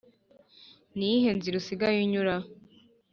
niyihe nzira usigaye unyura?